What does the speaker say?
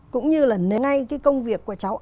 cũng như là ngay cái công việc của cháu